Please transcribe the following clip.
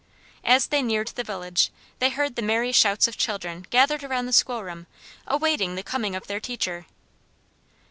As they neared the village, they heard the merry shouts of children gathered around the school room, awaiting the coming of their teacher.